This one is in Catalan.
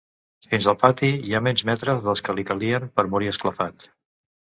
Fins al pati hi ha menys metres dels que li calien per morir esclafat.